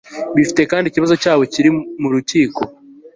bifite kandi ikibazo cyabo kiri mu rukiko